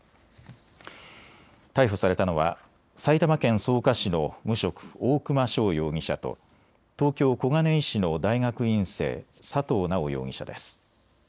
逮捕されたのは埼玉県草加市の無職、大熊翔容疑者と東京小金井市の大学院生、佐藤直容疑者です。